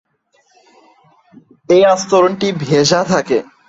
এই আস্তরণ টি ভেজা থাকে।